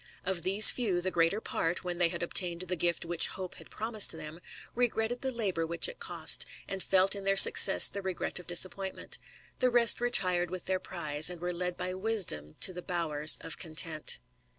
Of these few the greater part, when they had obtained the gift which Hope had promised thera, regretted the labour vhicfa it cost, and felt in theJr success the regret of disap pointment; the rest retired with their prize, and were led by Wisdom to the bowers of Content.